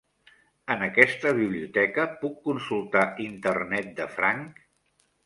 En aquesta biblioteca puc consultar Internet de franc?